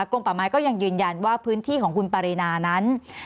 ป่าไม้ก็ยังยืนยันว่าพื้นที่ของคุณปรินานั้น